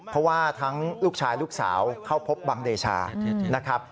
เพราะว่าทั้งลูกชายลูกสาวเข้าพบบังเดชานะครับ